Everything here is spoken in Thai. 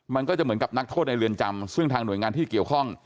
มันก็จะเหมือนกับนักโทษในเรือนจำซึ่งทางหน่วยงานที่เกี่ยวข้อง